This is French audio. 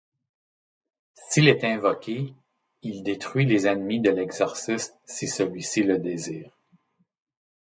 S'il est invoqué, il détruit les ennemis de l'exorciste si celui-ci le désire.